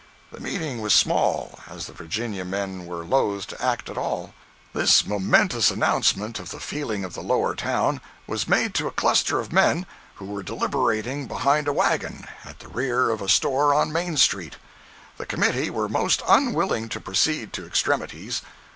The meeting was small, as the Virginia men were loath to act at all. This momentous announcement of the feeling of the Lower Town was made to a cluster of men, who were deliberating behind a wagon, at the rear of a store on Main street. The committee were most unwilling to proceed to extremities.